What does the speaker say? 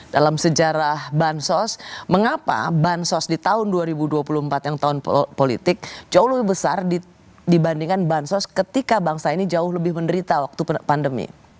dalam sejarah bansos mengapa bansos di tahun dua ribu dua puluh empat yang tahun politik jauh lebih besar dibandingkan bansos ketika bangsa ini jauh lebih menderita waktu pandemi